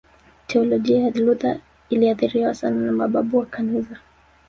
Teolojia ya Luther iliathiriwa sana na mababu wa kanisa